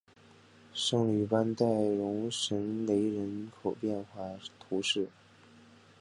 圣吕班代容什雷人口变化图示